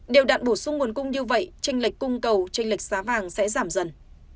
điều đạn bổ sung nguồn cung như vậy tranh lệch cung cầu tranh lệch giá vàng sẽ giảm dần